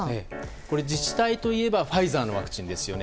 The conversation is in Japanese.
自治体といえばファイザーのワクチンですよね。